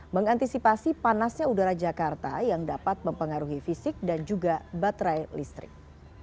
mengantisipasi panasnya udara jakarta yang dapat mempengaruhi fisik dan juga baterai listrik